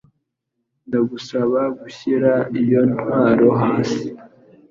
Ndagusaba gushyira iyo ntwaro hasi.